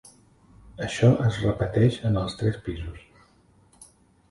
Això es repeteix en els tres pisos.